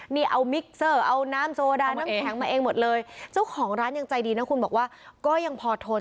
นี่เอามิกเซอร์เอาน้ำโซดาน้ำแข็งมาเองหมดเลยเจ้าของร้านยังใจดีนะคุณบอกว่าก็ยังพอทน